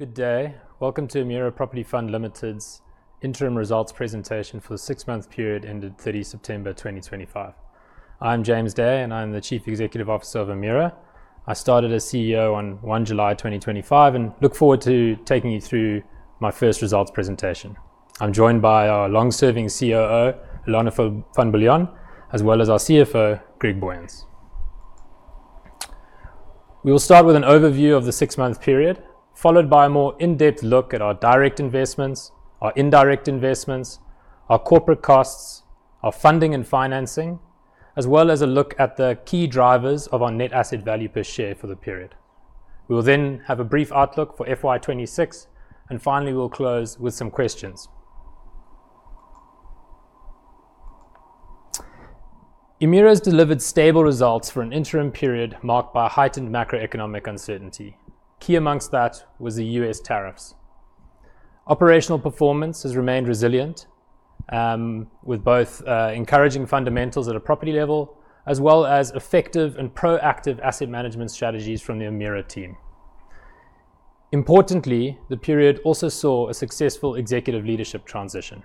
Good day. Welcome to Emira Property Fund Limited's interim results presentation for the six-month period ended 30 September 2025. I'm James Day, and I'm the Chief Executive Officer of Emira. I started as CEO on 1 July 2025, and look forward to taking you through my first results presentation. I'm joined by our long-serving COO, Ulana van Biljon, as well as our CFO, Greg Boyens. We will start with an overview of the six-month period, followed by a more in-depth look at our direct investments, our indirect investments, our corporate costs, our funding and financing, as well as a look at the key drivers of our net asset value per share for the period. We will then have a brief outlook for FY 2026, and finally, we'll close with some questions. Emira's delivered stable results for an interim period marked by heightened macroeconomic uncertainty. Key amongst that was the U.S. tariffs. Operational performance has remained resilient, with both encouraging fundamentals at a property level as well as effective and proactive asset management strategies from the Emira team. Importantly, the period also saw a successful executive leadership transition.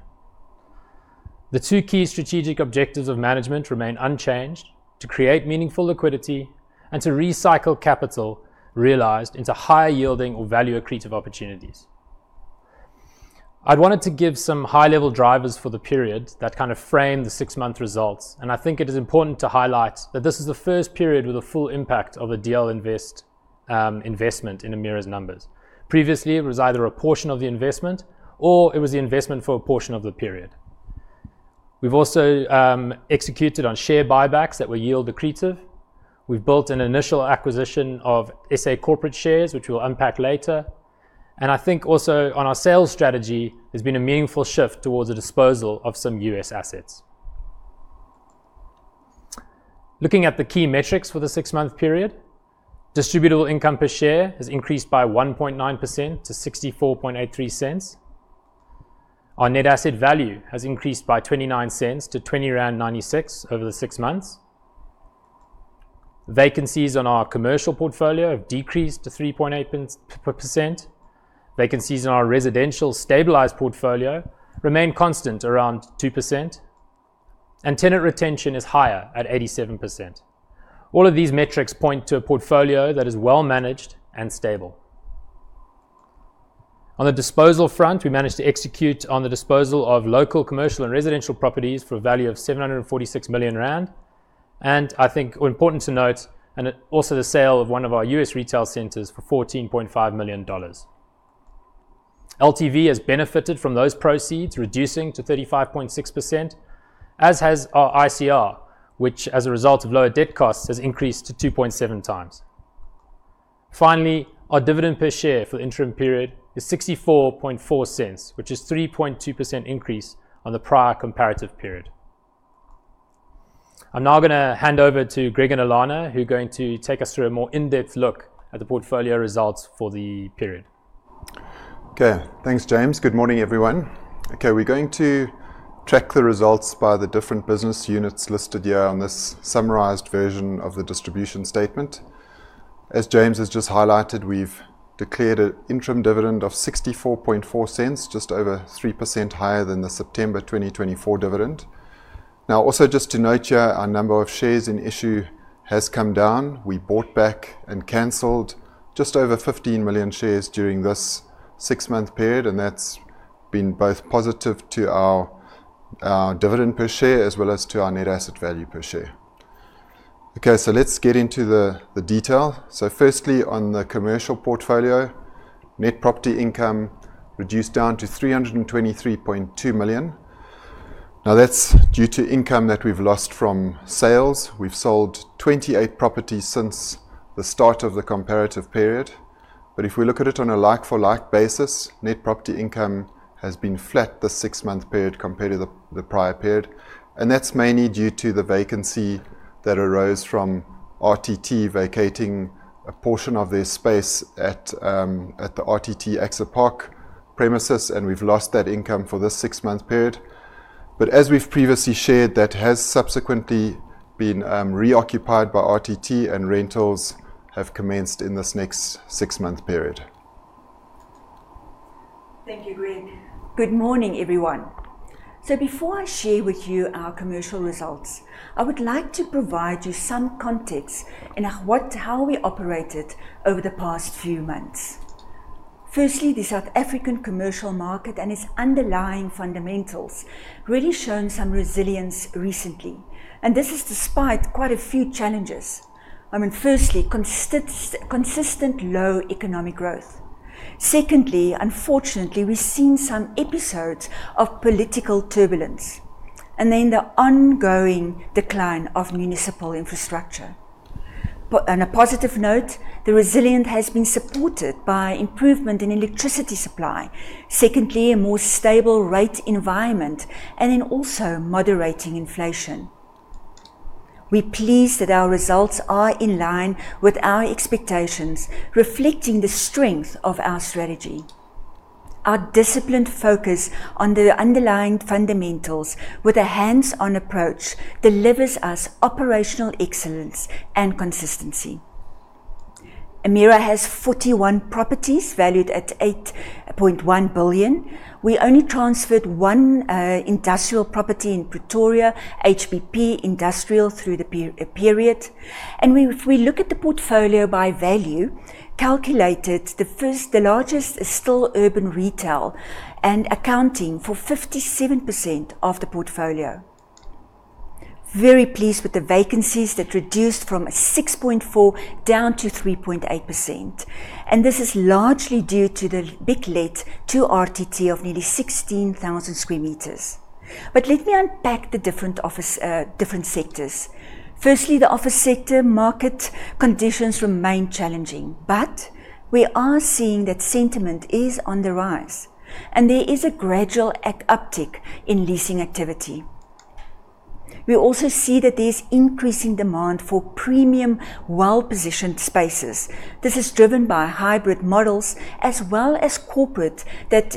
The two key strategic objectives of management remain unchanged. To create meaningful liquidity and to recycle capital realized into higher yielding or value accretive opportunities. I'd wanted to give some high-level drivers for the period that kind of frame the six-month results, and I think it is important to highlight that this is the first period with the full impact of a DL Invest investment in Emira's numbers. Previously, it was either a portion of the investment or it was the investment for a portion of the period. We've also executed on share buybacks that were yield accretive. We've built an initial acquisition of SA Corporate Real Estate shares, which we'll unpack later. I think also on our sales strategy, there's been a meaningful shift towards the disposal of some U.S. assets. Looking at the key metrics for the six-month period, distributable income per share has increased by 1.9% to 0.6483. Our net asset value has increased by 0.29 to 20.96 over the six months. Vacancies on our commercial portfolio have decreased to 3.8%. Vacancies in our residential stabilized portfolio remain constant, around 2%. Tenant retention is higher at 87%. All of these metrics point to a portfolio that is well-managed and stable. On the disposal front, we managed to execute on the disposal of local commercial and residential properties for a value of 746 million rand. I think it's important to note, and also the sale of one of our U.S. retail centers for $14.5 million. LTV has benefited from those proceeds, reducing to 35.6%, as has our ICR, which as a result of lower debt costs, has increased to 2.7 times. Finally, our dividend per share for the interim period is 0.644, which is 3.2% increase on the prior comparative period. I'm now gonna hand over to Greg and Alana, who are going to take us through a more in-depth look at the portfolio results for the period. Okay. Thanks, James. Good morning, everyone. Okay, we're going to track the results by the different business units listed here on this summarized version of the distribution statement. As James has just highlighted, we've declared a interim dividend of 0.644, just over 3% higher than the September 2024 dividend. Now, also just to note here, our number of shares in issue has come down. We bought back and canceled just over 15 million shares during this six-month period, and that's been both positive to our dividend per share as well as to our net asset value per share. Okay, let's get into the detail. Firstly, on the commercial portfolio, net property income reduced down to 323.2 million. Now, that's due to income that we've lost from sales. We've sold 28 properties since the start of the comparative period. If we look at it on a like-for-like basis, net property income has been flat the six-month period compared to the prior period, and that's mainly due to the vacancy that arose from RTT vacating a portion of their space at the RTT Apex Park premises, and we've lost that income for this six-month period. As we've previously shared, that has subsequently been reoccupied by RTT and rentals have commenced in this next six-month period. Thank you, Greg. Good morning, everyone. Before I share with you our commercial results, I would like to provide you some context in how we operated over the past few months. Firstly, the South African commercial market and its underlying fundamentals really shown some resilience recently, and this is despite quite a few challenges. I mean, firstly, consistent low economic growth. Secondly, unfortunately, we've seen some episodes of political turbulence, and then the ongoing decline of municipal infrastructure. On a positive note, the resilience has been supported by improvement in electricity supply, secondly, a more stable rate environment, and then also moderating inflation. We're pleased that our results are in line with our expectations, reflecting the strength of our strategy. Our disciplined focus on the underlying fundamentals with a hands-on approach delivers us operational excellence and consistency. Emira has 41 properties valued at 8.1 billion. We only transferred one industrial property in Pretoria, HBP Industrial Units, through the period. If we look at the portfolio by value, calculated, firstly, the largest is still urban retail and accounting for 57% of the portfolio. Very pleased with the vacancies that reduced from 6.4% down to 3.8%, and this is largely due to the big let to RTT of nearly 16,000 sq m. Let me unpack the different sectors. Firstly, the office sector market conditions remain challenging, but we are seeing that sentiment is on the rise, and there is a gradual uptick in leasing activity. We also see that there's increasing demand for premium well-positioned spaces. This is driven by hybrid models as well as corporates that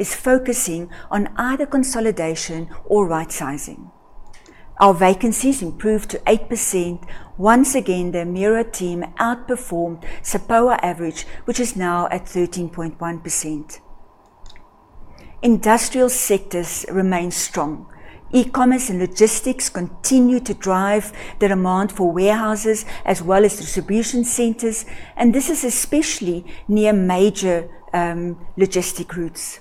is focusing on either consolidation or rightsizing. Our vacancies improved to 8%. Once again, the Emira team outperformed SAPOA average, which is now at 13.1%. Industrial sectors remain strong. E-commerce and logistics continue to drive the demand for warehouses as well as distribution centers, and this is especially near major logistic routes.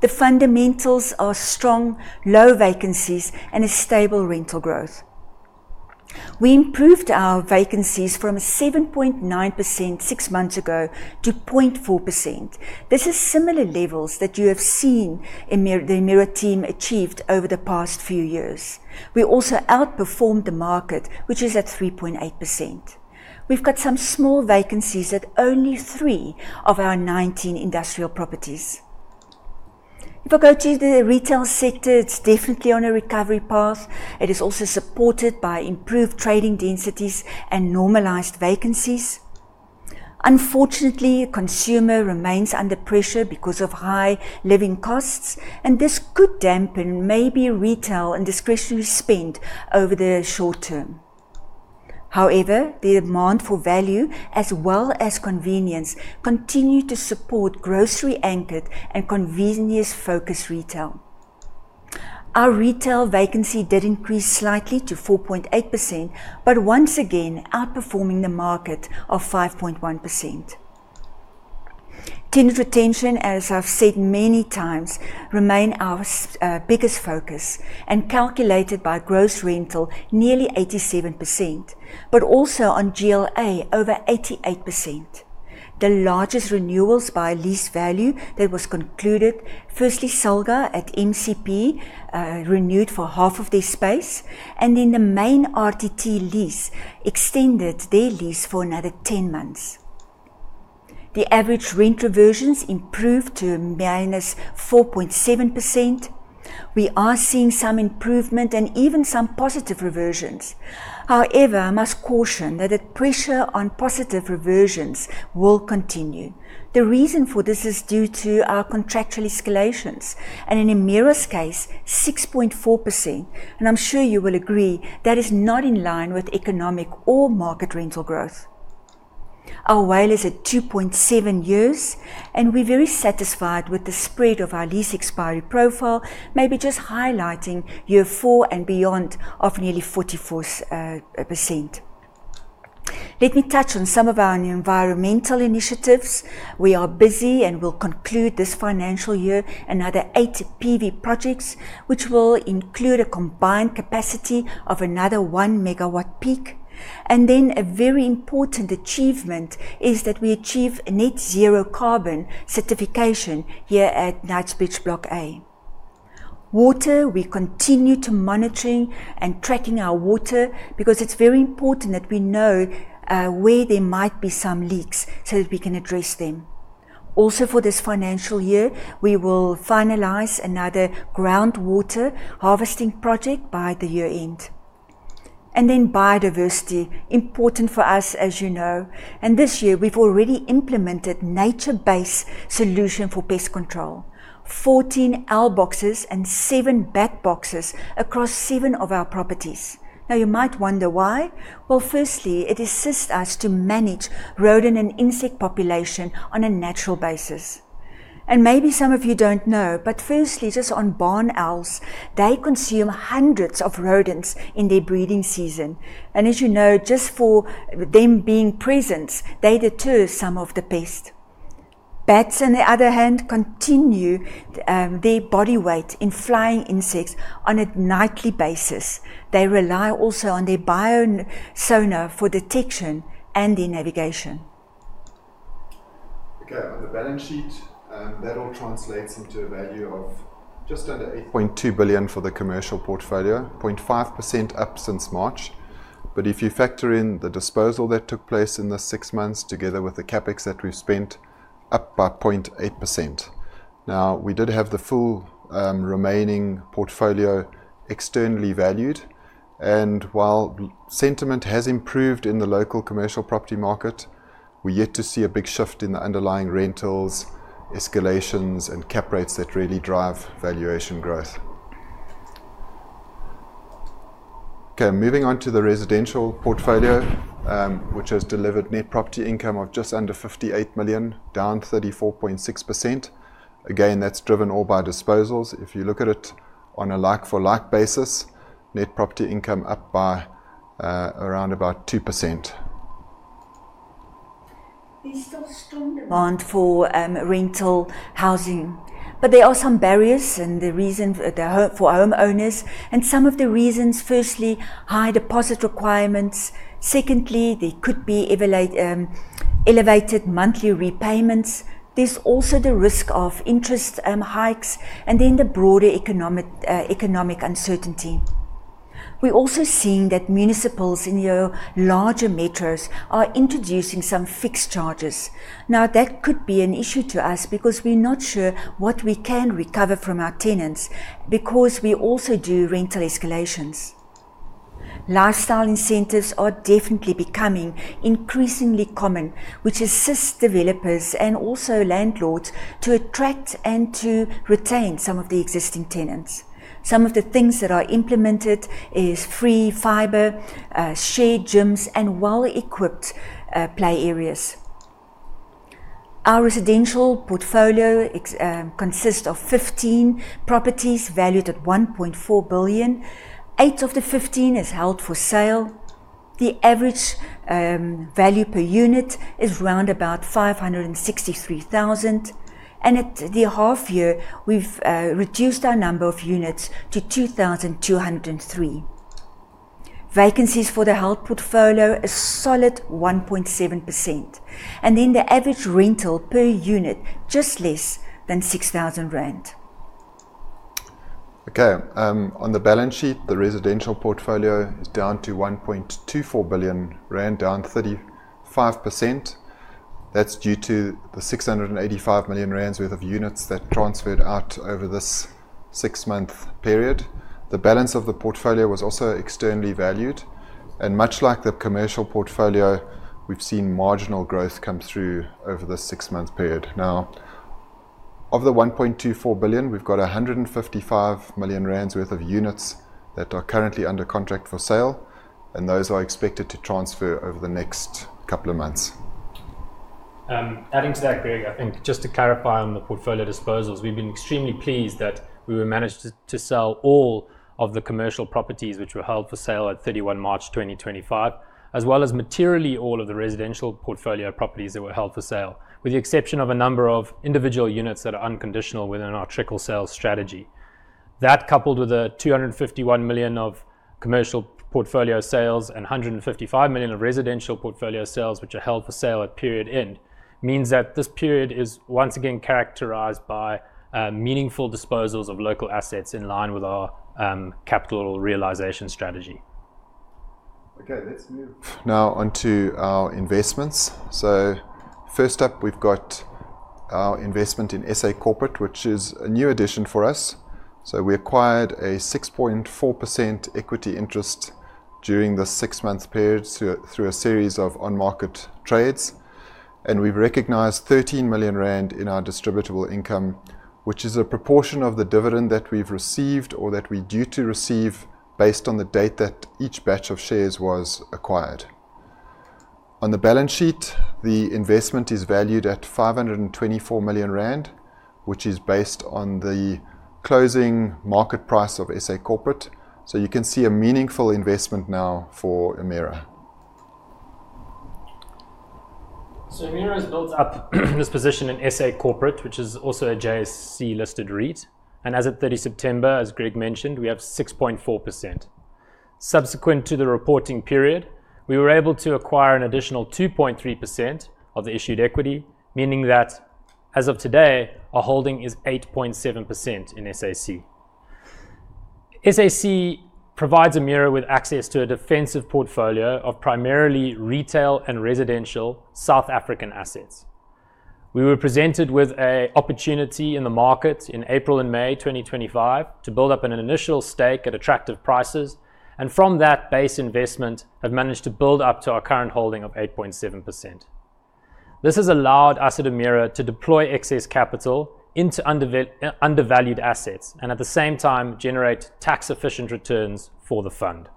The fundamentals are strong, low vacancies and a stable rental growth. We improved our vacancies from 7.9% six months ago to 0.4%. This is similar levels that you have seen the Emira team achieved over the past few years. We also outperformed the market, which is at 3.8%. We've got some small vacancies at only three of our 19 industrial properties. If I go to the retail sector, it's definitely on a recovery path. It is also supported by improved trading densities and normalized vacancies. Unfortunately, consumer remains under pressure because of high living costs, and this could dampen maybe retail and discretionary spend over the short term. However, the demand for value, as well as convenience, continue to support grocery-anchored and convenience-focused retail. Our retail vacancy did increase slightly to 4.8%, but once again, outperforming the market of 5.1%. Tenant retention, as I've said many times, remain our biggest focus and calculated by gross rental, nearly 87%, but also on GLA over 88%. The largest renewals by lease value that was concluded, firstly, SALGA at MCP renewed for half of their space, and then the main RTT lease extended their lease for another 10 months. The average rent reversions improved to -4.7%. We are seeing some improvement and even some positive reversions. However, I must caution that the pressure on positive reversions will continue. The reason for this is due to our contractual escalations, and in Emira's case, 6.4%, and I'm sure you will agree that is not in line with economic or market rental growth. Our WALE is at 2.7 years, and we're very satisfied with the spread of our lease expiry profile, maybe just highlighting year four and beyond of nearly 44%. Let me touch on some of our environmental initiatives. We are busy and will conclude this financial year another eight PV projects, which will include a combined capacity of another 1 MW peak. A very important achievement is that we achieve Net Zero Carbon Certification here at Knightsbridge Block A. Water, we continue monitoring and tracking our water because it's very important that we know where there might be some leaks so that we can address them. Also, for this financial year, we will finalize another groundwater harvesting project by the year-end. Then biodiversity, important for us, as you know. This year we've already implemented nature-based solution for pest control. 14 owl boxes and 7 bat boxes across 7 of our properties. Now, you might wonder why. Well, firstly, it assists us to manage rodent and insect population on a natural basis. Maybe some of you don't know, but firstly, just on barn owls, they consume hundreds of rodents in their breeding season. As you know, just for them being present, they deter some of the pests. Bats, on the other hand, consume their body weight in flying insects on a nightly basis. They rely also on their biosonar for detection and in navigation. Okay. On the balance sheet, that all translates into a value of just under 8.2 billion for the commercial portfolio, 0.5% up since March. If you factor in the disposal that took place in the six months together with the CapEx that we've spent, up by 0.8%. Now, we did have the full remaining portfolio externally valued. While sentiment has improved in the local commercial property market, we're yet to see a big shift in the underlying rentals, escalations, and cap rates that really drive valuation growth. Okay, moving on to the residential portfolio, which has delivered net property income of just under 58 million, down 34.6%. Again, that's driven all by disposals. If you look at it on a like-for-like basis, net property income up by around 2%. There's still strong demand for rental housing. There are some barriers and the reason for homeowners and some of the reasons, firstly, high deposit requirements. Secondly, there could be elevated monthly repayments. There's also the risk of interest hikes, and then the broader economic uncertainty. We're also seeing that municipalities in our larger metros are introducing some fixed charges. Now, that could be an issue to us because we're not sure what we can recover from our tenants because we also do rental escalations. Lifestyle incentives are definitely becoming increasingly common, which assists developers and also landlords to attract and to retain some of the existing tenants. Some of the things that are implemented is free fiber, shared gyms, and well-equipped play areas. Our residential portfolio consists of 15 properties valued at 1.4 billion. 8 of the 15 is held for sale. The average value per unit is around about 563,000. At the half year, we've reduced our number of units to 2,203. Vacancies for the held portfolio is solid 1.7%, and then the average rental per unit just less than 6,000 rand. Okay. On the balance sheet, the residential portfolio is down to 1.24 billion rand, down 35%. That's due to the 685 million rand worth of units that transferred out over this six-month period. The balance of the portfolio was also externally valued. Much like the commercial portfolio, we've seen marginal growth come through over the six-month period. Now, of the 1.24 billion, we've got 155 million rand worth of units that are currently under contract for sale, and those are expected to transfer over the next couple of months. Adding to that, Greg, I think just to clarify on the portfolio disposals, we've been extremely pleased that we managed to sell all of the commercial properties which were held for sale at 31 March 2025, as well as materially all of the residential portfolio properties that were held for sale, with the exception of a number of individual units that are unconditional within our trickle sales strategy. That, coupled with the 251 million of commercial portfolio sales and 155 million of residential portfolio sales, which are held for sale at period end, means that this period is once again characterized by meaningful disposals of local assets in line with our capital realization strategy. Okay. Let's move now onto our investments. First up, we've got our investment in SA Corporate, which is a new addition for us. We acquired a 6.4% equity interest during the six-month period through a series of on-market trades, and we've recognized 13 million rand in our distributable income, which is a proportion of the dividend that we've received or that we're due to receive based on the date that each batch of shares was acquired. On the balance sheet, the investment is valued at 524 million rand, which is based on the closing market price of SA Corporate. You can see a meaningful investment now for Emira. Emira has built up this position in SA Corporate, which is also a JSE listed REIT. As of 30 September, as Greg mentioned, we have 6.4%. Subsequent to the reporting period, we were able to acquire an additional 2.3% of the issued equity, meaning that as of today, our holding is 8.7% in SAC. SAC provides Emira with access to a defensive portfolio of primarily retail and residential South African assets. We were presented with a opportunity in the market in April and May 2025 to build up an initial stake at attractive prices, and from that base investment, have managed to build up to our current holding of 8.7%. This has allowed Emira to deploy excess capital into undervalued assets and, at the same time, generate tax-efficient returns for the fund.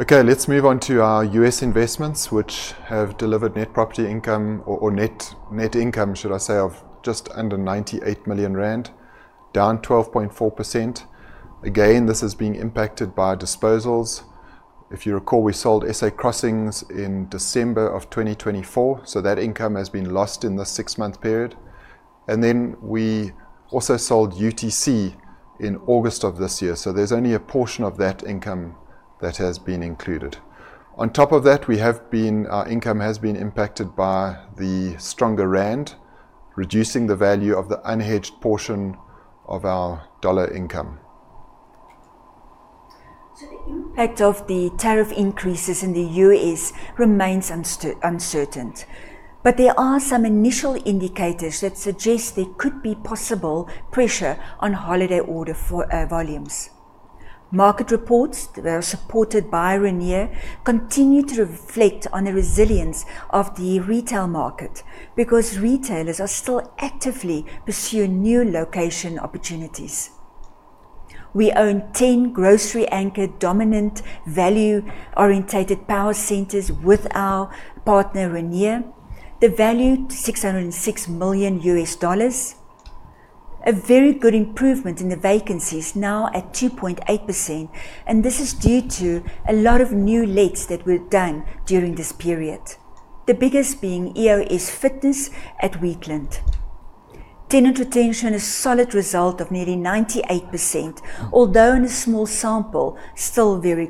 Okay, let's move on to our U.S. investments, which have delivered net property income or net income, should I say, of just under 98 million rand, down 12.4%. Again, this has been impacted by disposals. If you recall, we sold San Antonio Crossing in December of 2024, so that income has been lost in the six-month period. Then we also sold UTC in August of this year, so there's only a portion of that income that has been included. On top of that, our income has been impacted by the stronger rand, reducing the value of the unhedged portion of our dollar income. The impact of the tariff increases in the U.S. remains uncertain, but there are some initial indicators that suggest there could be possible pressure on holiday order for volumes. Market reports, they are supported by Rode, continue to reflect on the resilience of the retail market because retailers are still actively pursuing new location opportunities. We own 10 grocery anchored, dominant value-oriented power centers with our partner, Rode. The value $606 million. A very good improvement in the vacancy is now at 2.8%, and this is due to a lot of new lets that were done during this period. The biggest being EoS Fitness at Wheatland. Tenant retention, a solid result of nearly 98%, although in a small sample, still very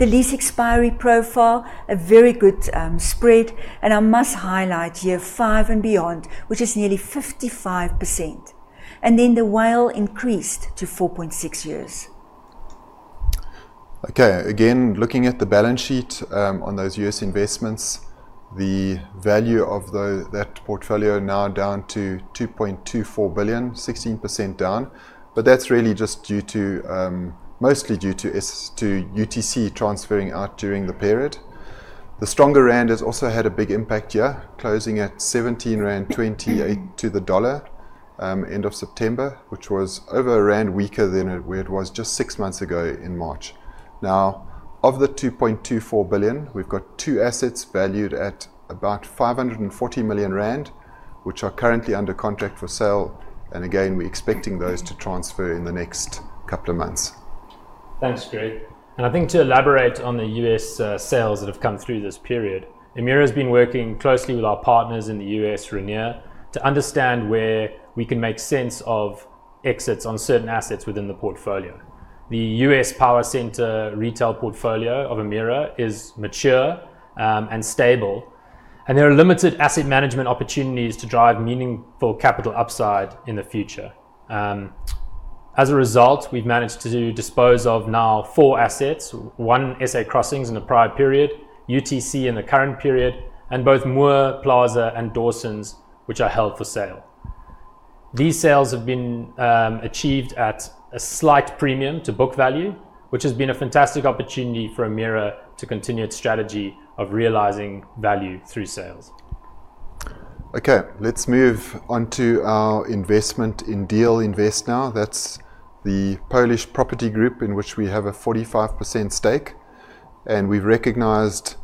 good. The lease expiry profile, a very good spread, and I must highlight year five and beyond, which is nearly 55%. The WALE increased to 4.6 years. Okay. Again, looking at the balance sheet, on those U.S. investments, the value of that portfolio now down to 2.24 billion, 16% down. That's really just due to mostly UTC transferring out during the period. The stronger rand has also had a big impact here, closing at 17.28 rand to the dollar, end of September, which was over a rand weaker than it, where it was just six months ago in March. Now, of the 2.24 billion, we've got two assets valued at about 540 million rand, which are currently under contract for sale and again, we're expecting those to transfer in the next couple of months. Thanks, Greg. I think to elaborate on the U.S., sales that have come through this period, Emira has been working closely with our partners in the U.S., Rainier, to understand where we can make sense of exits on certain assets within the portfolio. The U.S. power center retail portfolio of Emira is mature, and stable, and there are limited asset management opportunities to drive meaningful capital upside in the future. As a result, we've managed to dispose of now four assets, one San Antonio Crossing in the prior period, UTC in the current period, and both Moore Plaza and Dawson's Marketplace, which are held for sale. These sales have been achieved at a slight premium to book value, which has been a fantastic opportunity for Emira to continue its strategy of realizing value through sales. Okay, let's move on to our investment in DL Invest. That's the Polish property group in which we have a 45% stake, and we've recognized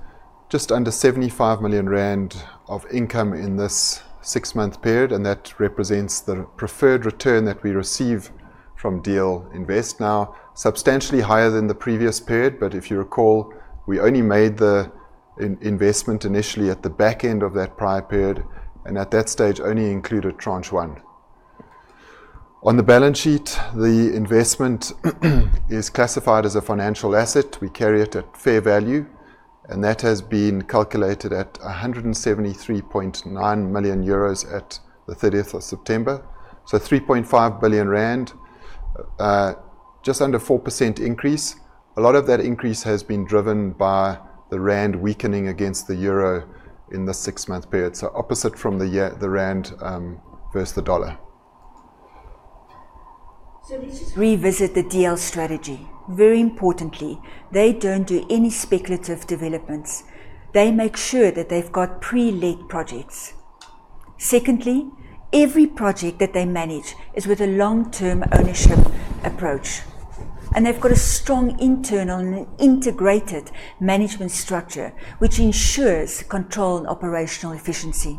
just under 75 million rand of income in this six-month period, and that represents the preferred return that we receive from DL Invest, substantially higher than the previous period. If you recall, we only made the investment initially at the back end of that prior period, and at that stage only included tranche one. On the balance sheet, the investment is classified as a financial asset. We carry it at fair value, and that has been calculated at 173.9 million euros at the thirtieth of September. 3.5 billion rand, just under 4% increase. A lot of that increase has been driven by the rand weakening against the euro in the six-month period, so opposite from the rand versus the dollar. Let's just revisit the DL strategy. Very importantly, they don't do any speculative developments. They make sure that they've got pre-let projects. Secondly, every project that they manage is with a long-term ownership approach, and they've got a strong internal and integrated management structure, which ensures control and operational efficiency.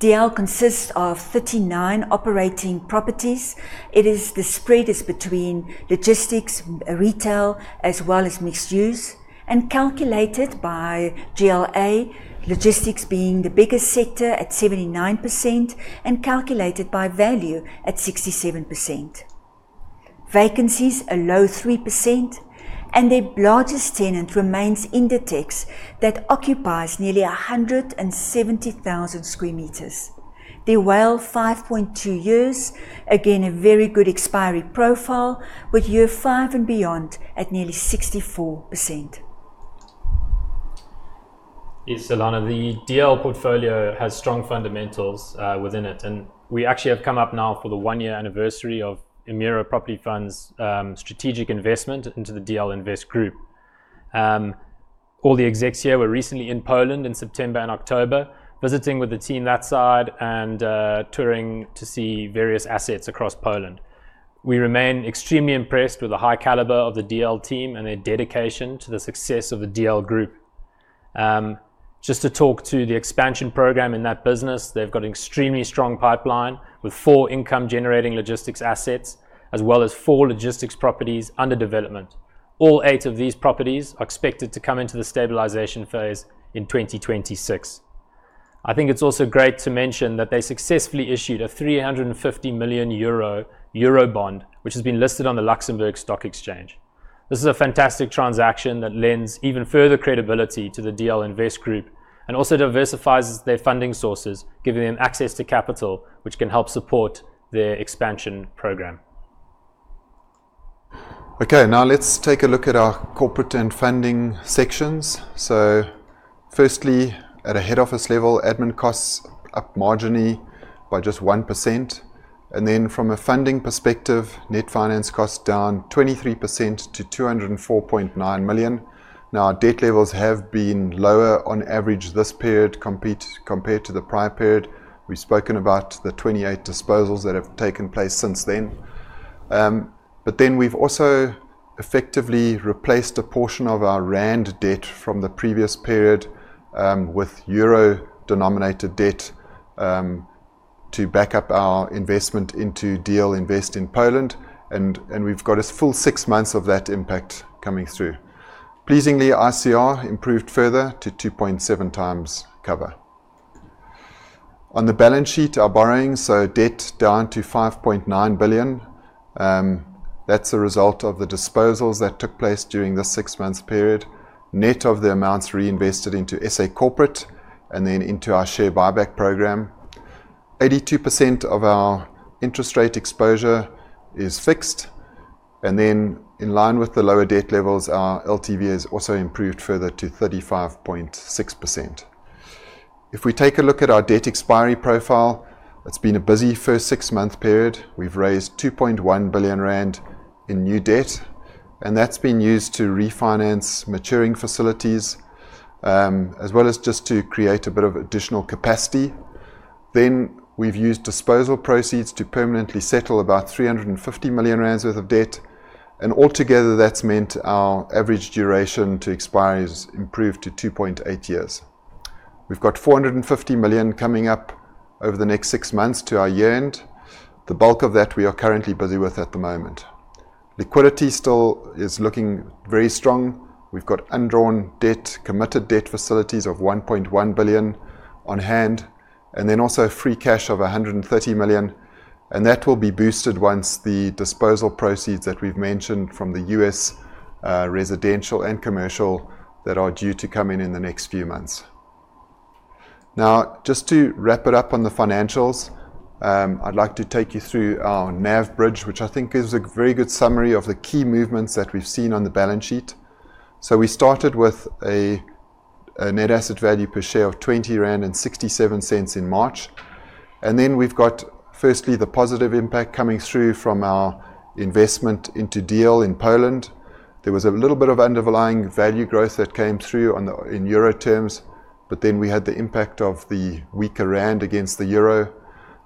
DL consists of 39 operating properties. The spread is between logistics, retail, as well as mixed use, and calculated by GLA, logistics being the biggest sector at 79% and calculated by value at 67%. Vacancies, a low 3%, and their largest tenant remains Inditex that occupies nearly 170,000 sq m. Their WALE, 5.2 years. Again, a very good expiry profile with year five and beyond at nearly 64%. Yes, Ulana van Biljon. The DL portfolio has strong fundamentals within it, and we actually have come up now for the one-year anniversary of Emira Property Fund's strategic investment into the DL Invest Group. All the execs here were recently in Poland in September and October, visiting with the team that side and touring to see various assets across Poland. We remain extremely impressed with the high caliber of the DL team and their dedication to the success of the DL Group. Just to talk to the expansion program in that business, they've got an extremely strong pipeline with four income-generating logistics assets, as well as four logistics properties under development. All eight of these properties are expected to come into the stabilization phase in 2026. I think it's also great to mention that they successfully issued a 350 million euro bond, which has been listed on the Luxembourg Stock Exchange. This is a fantastic transaction that lends even further credibility to the DL Invest Group and also diversifies their funding sources, giving them access to capital which can help support their expansion program. Okay, now let's take a look at our corporate and funding sections. Firstly, at a head office level, admin costs up marginally by just 1%. Then from a funding perspective, net finance costs down 23% to 204.9 million. Now, our debt levels have been lower on average this period compared to the prior period. We've spoken about the 28 disposals that have taken place since then. But then we've also effectively replaced a portion of our rand debt from the previous period with euro-denominated debt to back up our investment into DL Invest in Poland and we've got a full six months of that impact coming through. Pleasingly, ICR improved further to 2.7 times cover. On the balance sheet, our borrowings, so debt down to 5.9 billion, that's a result of the disposals that took place during the six-month period, net of the amounts reinvested into SA Corporate and then into our share buyback program. 82% of our interest rate exposure is fixed and then in line with the lower debt levels, our LTV has also improved further to 35.6%. If we take a look at our debt expiry profile, it's been a busy first six-month period. We've raised 2.1 billion rand in new debt, and that's been used to refinance maturing facilities, as well as just to create a bit of additional capacity. We've used disposal proceeds to permanently settle about 350 million rand worth of debt, and altogether, that's meant our average duration to expire is improved to 2.8 years. We've got 450 million coming up over the next six months to our year-end. The bulk of that we are currently busy with at the moment. Liquidity still is looking very strong. We've got undrawn debt, committed debt facilities of 1.1 billion on hand, and then also free cash of 130 million, and that will be boosted once the disposal proceeds that we've mentioned from the U.S. residential and commercial that are due to come in in the next few months. Now, just to wrap it up on the financials, I'd like to take you through our NAV bridge, which I think is a very good summary of the key movements that we've seen on the balance sheet. We started with a net asset value per share of 20.67 rand in March. We've got, firstly, the positive impact coming through from our investment into DL Invest in Poland. There was a little bit of underlying value growth that came through in euro terms, but then we had the impact of the weaker rand against the euro.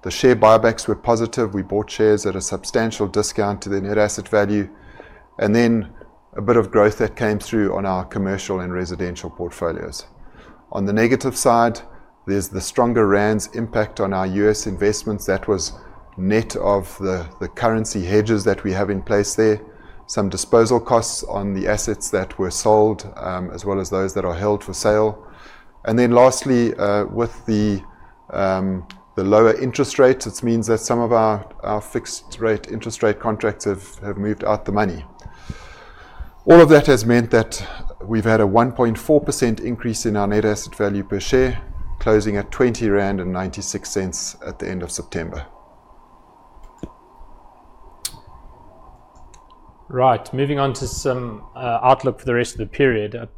The share buybacks were positive. We bought shares at a substantial discount to the net asset value. A bit of growth that came through on our commercial and residential portfolios. On the negative side, there's the stronger rand's impact on our U.S. investments that was net of the currency hedges that we have in place there. Some disposal costs on the assets that were sold, as well as those that are held for sale. Lastly, with the lower interest rates, it means that some of our fixed rate interest rate contracts have moved out of the money. All of that has meant that we've had a 1.4% increase in our net asset value per share, closing at 20.96 rand at the end of September. Right. Moving on to some outlook for the rest of the period. At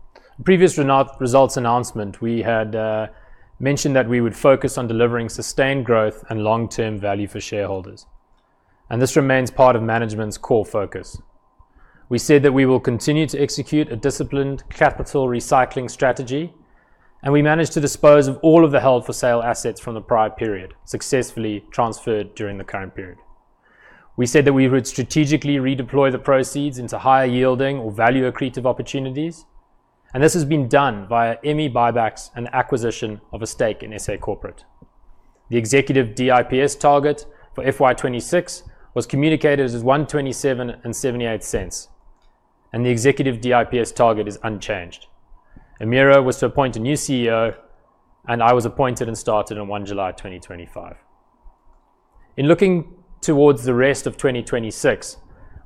previous renewal results announcement, we had mentioned that we would focus on delivering sustained growth and long-term value for shareholders, and this remains part of management's core focus. We said that we will continue to execute a disciplined capital recycling strategy, and we managed to dispose of all of the held for sale assets from the prior period, successfully transferred during the current period. We said that we would strategically redeploy the proceeds into higher yielding or value accretive opportunities, and this has been done via Emira buybacks and acquisition of a stake in SA Corporate. The executive DPS target for FY 2026 was communicated as 1.2778, and the executive DPS target is unchanged. Emira was to appoint a new CEO, and I was appointed and started on 1 July 2025. In looking towards the rest of 2026,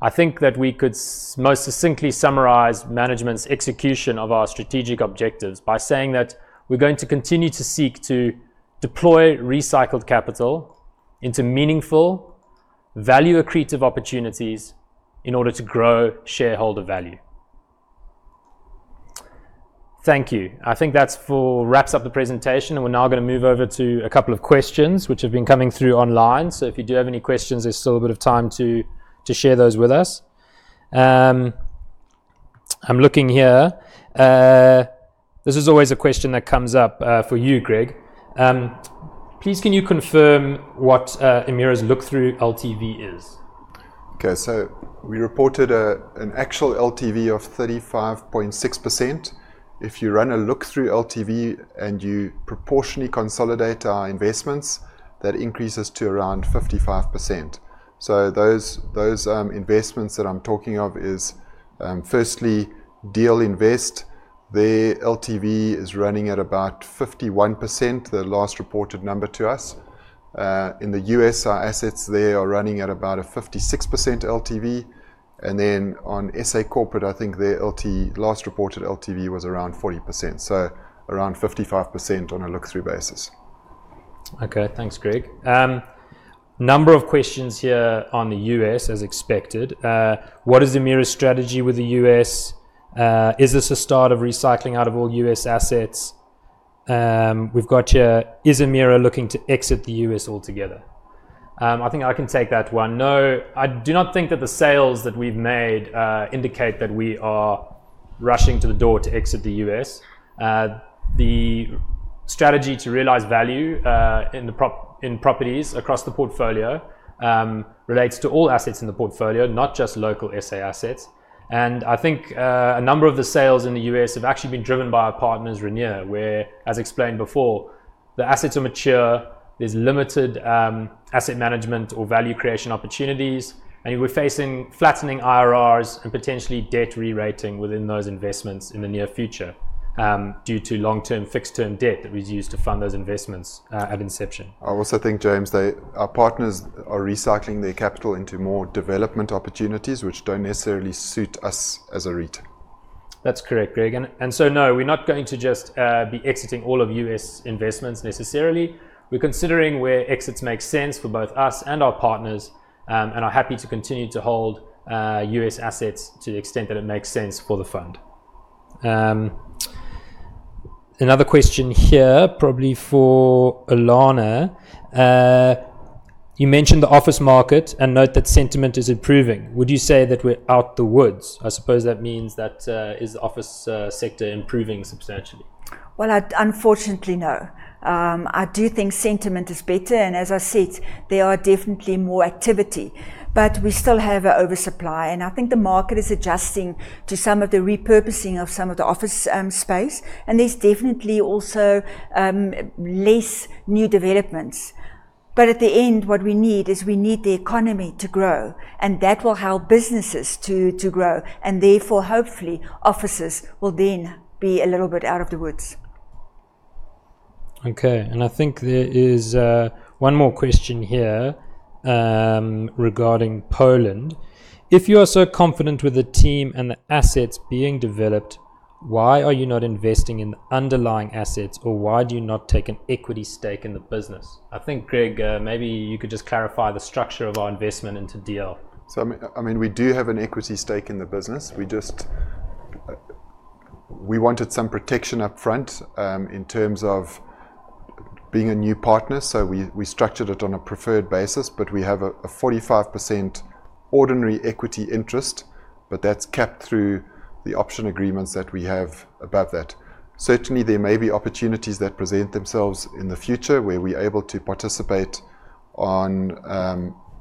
I think that we could most succinctly summarize management's execution of our strategic objectives by saying that we're going to continue to seek to deploy recycled capital into meaningful value accretive opportunities in order to grow shareholder value. Thank you. I think that wraps up the presentation, and we're now gonna move over to a couple of questions which have been coming through online. So if you do have any questions, there's still a bit of time to share those with us. I'm looking here. This is always a question that comes up for you, Greg. Please, can you confirm what Emira's look-through LTV is? Okay. We reported an actual LTV of 35.6%. If you run a look-through LTV and you proportionally consolidate our investments, that increases to around 55%. Those investments that I'm talking of is, firstly, DL Invest. Their LTV is running at about 51%, the last reported number to us. In the U.S., our assets there are running at about a 56% LTV. On SA Corporate, I think their LTV last reported was around 40%. Around 55% on a look-through basis. Okay. Thanks, Greg. Number of questions here on the U.S. as expected. What is Emira's strategy with the U.S.? Is this a start of recycling out of all U.S. assets? We've got here: Is Emira looking to exit the U.S. altogether? I think I can take that one. No, I do not think that the sales that we've made indicate that we are rushing to the door to exit the U.S. The strategy to realize value in properties across the portfolio relates to all assets in the portfolio, not just local SA assets. I think a number of the sales in the U.S. have actually been driven by our partners, Renier, where, as explained before, the assets are mature, there's limited asset management or value creation opportunities, and we're facing flattening IRRs and potentially debt rerating within those investments in the near future, due to long-term fixed term debt that was used to fund those investments at inception. I also think, James, they, our partners are recycling their capital into more development opportunities, which don't necessarily suit us as a REIT. That's correct, Greg. No, we're not going to just be exiting all of U.S. investments necessarily. We're considering where exits make sense for both us and our partners, and are happy to continue to hold U.S. assets to the extent that it makes sense for the fund. Another question here probably for Alana. You mentioned the office market and note that sentiment is improving. Would you say that we're out of the woods? I suppose that means that is the office sector improving substantially? Well, unfortunately, no. I do think sentiment is better and as I said, there are definitely more activity. We still have a oversupply, and I think the market is adjusting to some of the repurposing of some of the office space, and there's definitely also less new developments. At the end, what we need is the economy to grow, and that will help businesses to grow and therefore, hopefully, offices will then be a little bit out of the woods. Okay. I think there is one more question here regarding Poland. If you are so confident with the team and the assets being developed, why are you not investing in underlying assets, or why do you not take an equity stake in the business? I think, Greg, maybe you could just clarify the structure of our investment into DL. We do have an equity stake in the business. We just we wanted some protection up front in terms of being a new partner, so we structured it on a preferred basis, but we have a 45% ordinary equity interest, but that's capped through the option agreements that we have above that. Certainly, there may be opportunities that present themselves in the future where we're able to participate on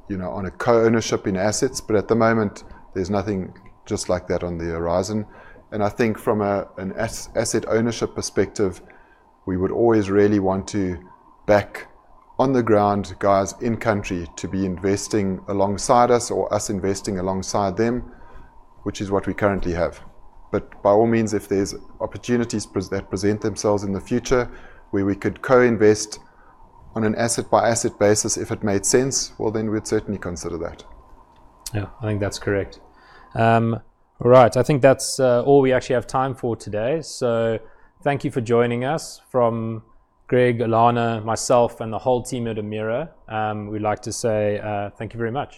you know on a co-ownership in assets. But at the moment, there's nothing just like that on the horizon. I think from an asset ownership perspective, we would always really want to back the on-the-ground guys in-country to be investing alongside us or us investing alongside them, which is what we currently have. By all means, if there's opportunities that present themselves in the future where we could co-invest on an asset-by-asset basis, if it made sense, well, then we'd certainly consider that. Yeah. I think that's correct. All right. I think that's all we actually have time for today. Thank you for joining us. From Greg, Ulana, myself and the whole team at Emira, we'd like to say thank you very much.